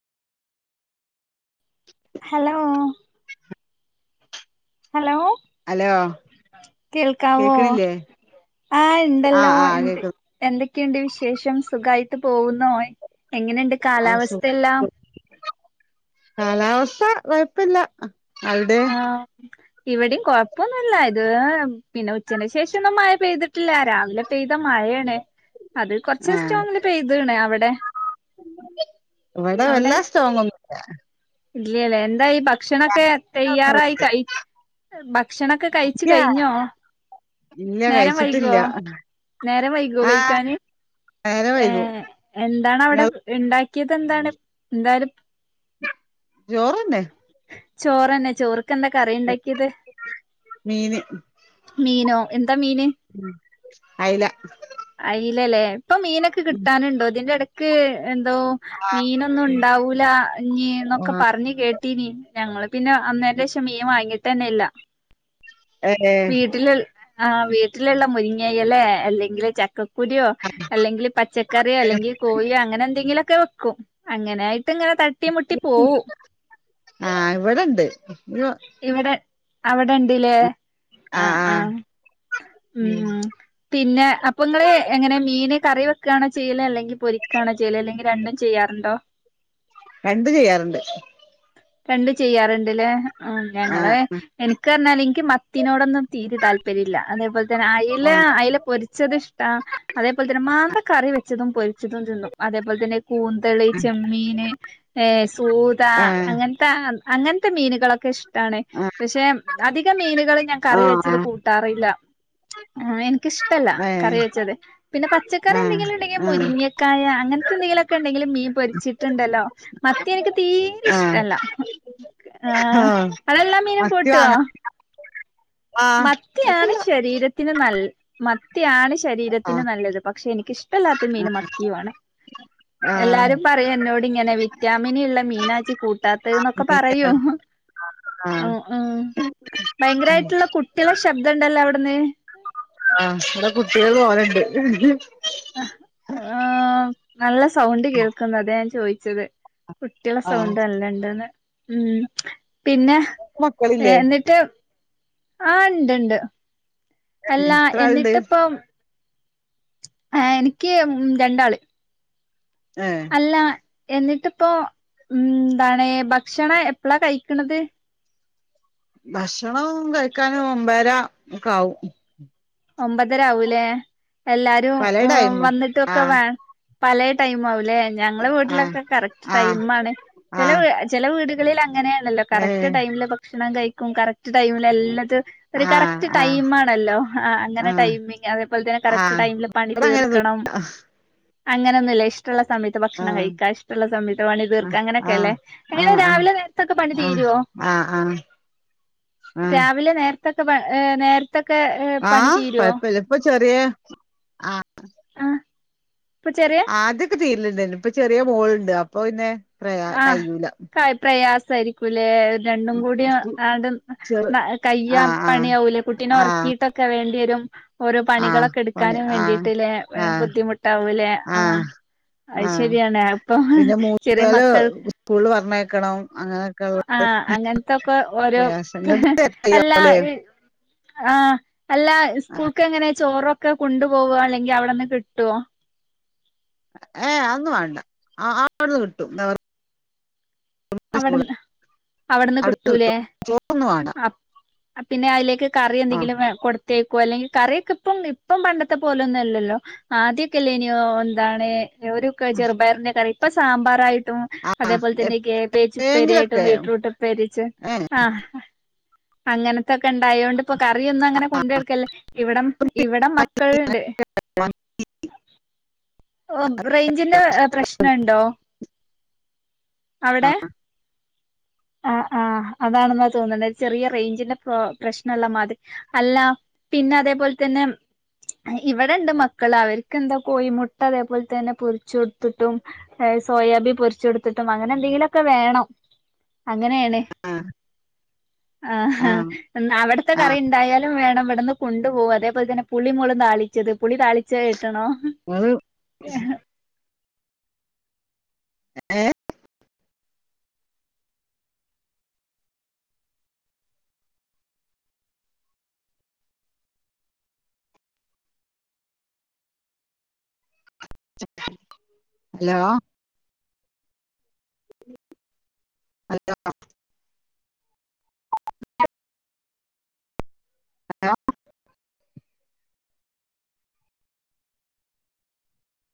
Hello hello hello കേൾക്കാവോ കേക്കണില്ലേ ആഹ് ഇണ്ടല്ലോ ആഹ് ആഹ് ഇണ്ട് കേക്കുന്നു എന്ത ക്കൊയുണ്ട് വിശേഷം സുഖവായിട്ട് പോകുന്നോ എങ്ങനെയിണ്ട് ആ സു കാലാവസ്ഥ എല്ലാം കാലാവസ്ഥ കോഴപ്പില്ല ആഹ് ഇവിടെയും കൊഴപ്പൊന്നുവില്ല ഇത് പിന്നെ ഉച്ചേന് ശേഷം ഒന്ന് മഴ പെയ്തിട്ടില്ല രാവിലെ പെയ്ത മഴയാണ് അത് കൊറച്ച് സ്റ്റോങ്ങിൽ പെയ്ത്ണ് അവിടെ [inaudible] ഇവിട എല്ലാ സ്റ്റോങ്ങും [inaudible] ഇല്ലല്ല എന്തായി ഭ ഭക്ഷണൊക്കെ തയ്യാറായി കയി ഭക്ഷണൊക്കെ കയിച്ചു ഇല്ല കഴിഞ്ഞോ ഇല്ല നേരം വൈകുവോ കഴിച്ചിട്ടില്ല നേരം വൈകുവോ ആഹ് കയിക്കന് നേരം വൈകും ഏഹ് എന്താണ് അവിടെ ഇങ്ങള് ഉണ്ടാ ക്കിത് എന്താണ് എന്താന്ന് ചോറന്നെ ചോറന്നെ ചോറ് ക്കെന്താ കറി ഉണ്ടാക്കിയത് മീന് മീനോ താ മീന് അയില അയിലല്ലേ ഇപ്പ മീനൊക്കെ കിട്ടാനുണ്ടോതിന്റെ ഇടക്ക് നക് എന്തോ മീനൊന്നും ഉണ്ടാവൂല ഇീ എന്നൊക്കെ ആഹ് പറഞ്ഞഞ് കേട്ടീന ഞങ്ങള് പിന്നെ അന്നേര ശശം മീൻ വാങ്ങിട്ട് തനല്ല ഏഹ് വീട്ടില ആഹ് വീട്ടിലുള്ള മുരിങ്ങയ്യലെ അല്ലെങ്കില് ചക്ക പുരിയോ അല്ലെങ്കിൽ പച്ചകറിയോ അല്ലെങ്കിൽ കോഴിയോ അങ്ങനെ എന്തെങ്കിലും ഒക്കെ വെക്കും അങ്ങനെ ഇ ഇങ്ങനെ തട്ടി മുട്ടി പോൂ ആഹ് ഇവിടെണ്ട് ആഹ് ഇവിടെ അവിടെ ഉണ്ട് ല്ലേ ആ ആഹ് ആഹ ഉ ഉം പിന്നെ അപ്പൊ നിങ്ങള്െ എങ്ങനെ മീന് കറി വെ ക്കാണ് ചെയ്യേ അല്ലെങ്കിൽ പൊരിക്കണ ചെയ്യാ അല്ലെങ്കിൽ രണ്ടും ചെയ്യാറുണ്ടോ രണ്ട് ചെയ്യാറുണ്ട് രണ്ട് ചെയ്യാറുണ്ട്ല്ലേ ആ ഞങ്ങള് ആഹ് എനക്ക് പറഞ്ഞാലെ മത്തിനോടൊന്നും തീതി താല്പര്യമില്ല അതേപോലെ തന്നെ അയല ആഹ് അയലെ പൊരിച്ചത് ഇഷ്ട അതേപോലെ തന്നെ മാന്ത കറി വെച്ചതും പൊരിച്ചതും അിതം ന്നും അതേപോലെ തന്നെ കൂന്തളി ചെമ്മീന് ഏ സൂത ആഹ് അങ്ങൻത്ത അങ്ങനത്തെ മീനുകളൊ ക്കെ ഇഷ് ടാണ് ആഹ് പക്ഷെ അധികം മീനുകൾ ഞാൻ കറി വെച്ചത് ആഹ് കൂട്ടാറില്ല ആഹ് എനിക്ക്ഷ് ട്ടല്ല ഏഹ് കറി വെച്ചത് പിന്നെ പച്ചക്കറി ആഹ് എന്തെങ്കിലും ഉണ്ടെങ്കിൽ ആഹ് മുരിങ്ങക്കായ അങ്ങൻ ത്തെ എന്തെങ്കിലു ഒക്കെ ഉണ്ടെങ്കിലും മീൻ പൊരിച്ചിട്ടുണ്ടല്ലോ മത്തി എനിക്ക് തീരെ ആഹ് ഇഷ്ടല്ല ആ ആഹ് അതെല്ലാം മീനും മത്തി കൂട്ടോ വാങ്ങ ആഹ് മത്തിയാണ് കൊഴപ്പില്ല ശരീരത്തിന് നല്ല മത്തിയാ ആണ് ഇഷ് ശരീരത്തിന് ആഹ് നല്ലത് പക്ഷെ എനിക്കിഷ്ടമല്ലാത്ത മീൻ മത്തിയുമാണ്. ആഹ് എല്ലാവരും പറയും എന്നോട് ഇങ്ങനെ വിറ്റാമിൻ ഉള്ള മീനാ കിട്ടാത്തത് എന്നൊക്കെ പറയും ആഹ് ഭയങ്കരായിട്ടുള്ള കു ട്ട്യളെ ശബ്ദുണ്ടല്ലോ അവിടെന്ന് കൊറേണ്ട് അ ആം നല്ല സൗണ്ട് കേൾക്കുന്ന് അതെ ഞാൻ ചോതിച്ചത് കുട്ടികളുടെ ആഹ് സൗണ്ട് നല്ലണ്ട്ന്ന് ഉം പിന്നെ മക്കളില്ലേ എന്നിട്ട് ആ ഉണ്ട് ഉണ്ട് അല്ല എത്ര ആളുണ്ട് എന്നിട്ട് ഇപ്പം ആ എനിക്ക് രണ്ടാൾ ഏഹ് അല്ലാ എന്നിട്ടിപ്പോ ഉം ന്താണ് ഭക്ഷണം എപ്പളാ കഴിക്ക്ണത് ഭക്ഷണം കഴിക്കാൻ ഒമ്പേര ഒക്ക ആവും. ഒമ്പതര ആവൂലേ എല്ലാവരും പല ടൈമ് വന്നിട്ടൊക്കെ ആഹ് വേ പലേ ടൈമാവു ല്ലേ ഞങ്ങള ആഹ് വീട്ടിലൊക്കെ കറക്റ്റ് ആഹ് ടൈംമ്മാണ് ആഹ് ചെലെവീ ചെലെ വീടുകളിലങ്ങനെയാണല്ലോ കറക്റ്റ് ഏഹ് ടൈമില് ഭക്ഷണം കഴി ക്കും കക്ട് ടൈമില് എല്ലാത് ഒരു ആഹ് കറക്റ്റ് ആഹ് ടൈമ്മാണല്ലോ ആ അങ്ങനെ ആഹ് ടൈമിങ് അതേപോലെ തന്നെ കറക്റ്റ് ആഹ് ടൈമില് പണി ഇവിടെ അങ്ങനൊന്നും തീർക്കണം അങ്ങനെയൊന്നുമില്ല ഇഷ്ടമുള്ള സമയത്ത് ഭക്ഷണം ആഹ് കഴിക്ക ഇഷ്ടമുള്ള സമയത്ത് പണി തീർക്കാ ആഹ് അങ്ങനെയൊക്കെല്ലേ ആഹ് എങ്ങനെ ആഹ് രാവിലെ നേരത്തൊക്കെ പണി ആഹ് തീരുവോ ആഹ് ആഹ് ആഹ് രാവിലെ നേര് [unintelligible] ഏ നേര്ത്തൊക്കെ ആ കൊഴ്പ്പല്ല ഇപ്പൊ ചെറിയേ ആ ആ ഇപ്പൊ ചെറിയ ചെയുന്നുണ്ട് ഇപ്പോ ചെറിയ മോളുണ്ട് അപ്പൊ പിന്നെ പ്രയാ ആ [inaudible] കയ്യൂല പ്രയാസ സരിക്കുലേ രണ്ടും കൂടി അ സ്കൂ ആണ്ട് ചെറ് ആ കയ്യാൻ ആ പണിയാവൂലെ കുട്ടീനെ ആ ഉറക്കിട്ടൊക്കെ വേണ്ടി കം ഓരോ ആ പണികളൊക്കെ പണി എടുക്കാനും ആ വേണ്ടിയിട്ടില്ലേ ആ ബുദ്ധിമുട്ടാവുലേ ആ അത് ആ ശരിയാണ് അ ഇപ്പം ചെറിയ മ [unintelligible] സ്കൂള് ല് പറഞ്ഞയ ക്കണം ആഹ് അങ്ങനത്തൊക്കെ ഓരോ പ്രയാസം നിങ്ങൾക്ക് അല്ലാ അറിയാവൂലേ ഇ ആഹ് അല്ല സ്കൂൾക്ക് എങ്ങനെ ചോറൊ ക്കെ കുണ്ടു പോവോ അല്ലെങ്കിൽ അവിടെന്ന് കിട്ടുവോ ഏ അ ഒന്നും വാണ്ട അവിടുന്ന് കിട്ടും [unintelligible] സ്കൂൾ അവിടെന്ന് അവിടുന്ന് കിട്ടൂല്ലേ ഒന്നും വേണ്ട അ പിന്നെ അയിലേക്ക് കറി ആ എന്തെങ്കിലും കൊടുത്തയക്കോ അല്ലെങ്കിൽ കറിയൊക്കെ ഇപ്പം ഇപ്പം പണ്ടത്തെ പോലൊന്നുംല്ലല്ലോ ആദ്യൊക്കെല്ലേനിയോ എന്താണ് യൊരു ക ചെറുപയറനെ കറി ഇപ്പൊ സാമ്പാറായി ട്ടും അതേപോൽ തന്നെ കേബേ ജപ്പേരിയായിട്ടും എപ്പോഴെങ്കിലൊക്കെ ബീട്രൂട്ട്പ്പേര്യച്ച് ഏ ആ അങ്ങന ത്തൊക്കെ ഇണ്ടായോണ്ട് ഇപ്പോ കറ്യൊന്നും അങ്ങനെ കൊണ്ട് [unintelligible] ഇവിടം ഇവിടം മക്കൾ ഇണ്ട് ഓ റേഞ്ചിന്റെ പ്രശ്നണ്ടോ ആ അവിടെ ആ ആ അതാണ് ന്നാ തോന്ന്ണ ചെറിയ റേഞ്ചിന്റെ പ്രോ പ്രശ്ന ള്ള മാതിരി അല്ല പിന്നെ അതേപോലെ തന്നെ ഇവിടെണ്ട് മക്കള് അവര്ക്ക് എന്താ കോഴിമുട്ട അതേപോലെ തന്നെ പൊരിച്ച് കൊടുത്തിട്ടും ഏ സോയാബി പൊരിച്ച് കൊടുത്തിട്ടും അങ്ങനെ എന്തെങ്കിലു ഒക്കെ വേണം അങ്ങനേണ് ആ ആഹ് ആ ഹാ അവിടുത്തെ ആ കറി ഉണ്ടായാലും വേണം ഇവട്ന്ന് കൊണ്ടു പോവ അതേപോലെ തന്നെ പുളിം മൊളും താളിച്ചത് പുളി താളിച്ചെത് കേട്ട്ണോ നിങ്ങള് ഏ ഹലോ ഹലോ ഹലോ